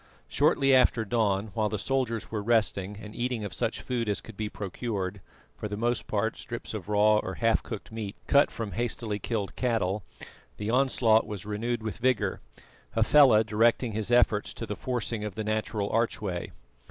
Shortly after dawn, while the soldiers were resting and eating of such food as could be procured for the most part strips of raw or half cooked meat cut from hastily killed cattle the onslaught was renewed with vigour, Hafela directing his efforts to the forcing of the natural archway.